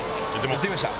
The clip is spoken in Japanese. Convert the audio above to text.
行ってきました！